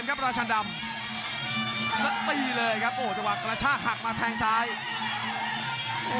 โอ้โหโอ้โหโอ้โห